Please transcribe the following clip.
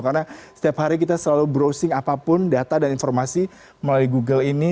karena setiap hari kita selalu browsing apapun data dan informasi melalui google ini